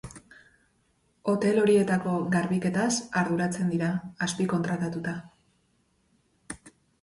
Hotel horietako garbiketaz arduratzen dira, azpikontratatuta.